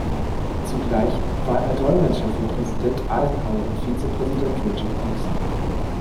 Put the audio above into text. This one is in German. Zugleich war er Dolmetscher für Präsident Eisenhower und Vizepräsident Richard Nixon.